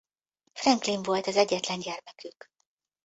Franklin volt az egyetlen gyermekük.